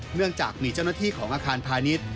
เนื่องจากมีเจ้าหน้าที่ของอาคารพาณิชย์